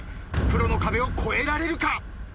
プロの壁を越えられるか？